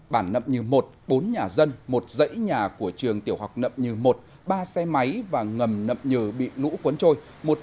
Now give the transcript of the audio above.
bản nậm nhừ một bốn nhà dân một dãy nhà của trường tiểu học nậm nhừ một ba xe máy và ngầm nậm nhừ bị lũ cuốn trôi